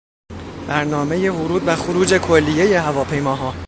برنامهی ورود و خروج کلیهی هواپیماها